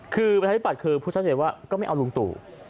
คือประชาธิปัตย์คือพูดชัดเจนว่าก็ไม่เอาลุงตู่